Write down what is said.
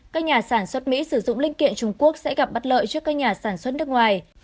các nhà sản xuất mỹ sử dụng linh kiện trung quốc sẽ gặp bất lợi trước các nhà sản xuất nước ngoài